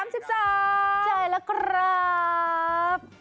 ใช่แล้วครับ